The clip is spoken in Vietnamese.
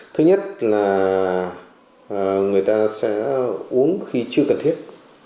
thứ nhất là người ta sẽ uống khi chưa cần thiết